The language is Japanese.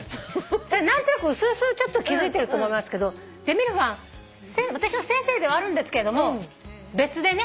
何となくうすうすちょっと気付いてると思いますけどデミルハン私の先生ではあるんですけれども別でね